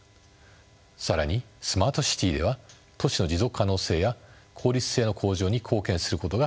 更にスマートシティでは都市の持続可能性や効率性の向上に貢献することが期待されています。